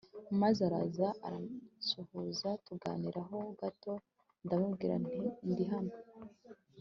maze araza aransuhuza tuganira ho gato ndamubwira nti ndihano